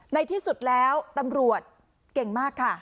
ในที่สุดแล้วตำรวจเก่งมากค่ะ